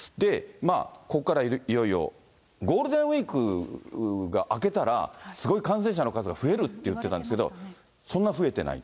ここからいよいよ、ゴールデンウィークが明けたら、すごい感染者の数が増えるっていってたんですけど、そんな増えてない。